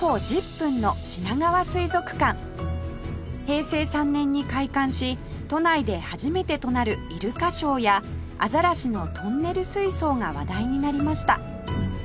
平成３年に開館し都内で初めてとなるイルカショーやアザラシのトンネル水槽が話題になりました